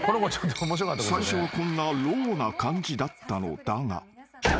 ［最初はこんなローな感じだったのだが］